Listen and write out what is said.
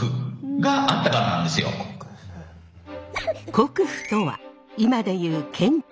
国府とは今で言う県庁。